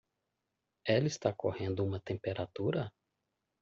Ela está correndo uma temperatura?